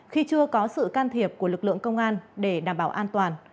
khi chưa có sự can thiệp của lực lượng công an để đảm bảo an toàn